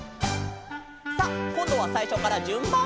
「」さあこんどはさいしょからじゅんばん！